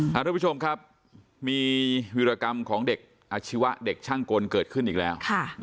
ทุกผู้ชมครับมีวิรกรรมของเด็กอาชีวะเด็กช่างกลเกิดขึ้นอีกแล้ว